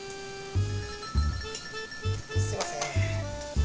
すみません。